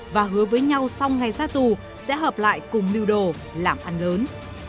và hứa với nhau sau ngày ra tù sẽ hợp lại cùng mưu đồ làm ăn lớn